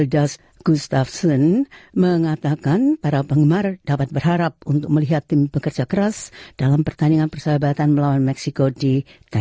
dan ini penting untuk kita